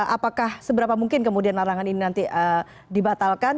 apakah seberapa mungkin kemudian larangan ini nanti dibatalkan